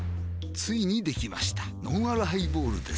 ついにできましたのんあるハイボールです